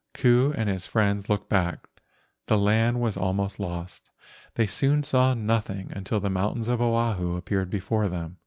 Ku and his friends looked back, the land was almost lost; they soon saw nothing until the mountains of Oahu appeared before them.